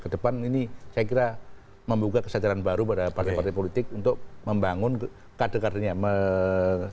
ke depan ini saya kira membuka kesejahteraan baru pada partai partai politik untuk membangun kade kade yang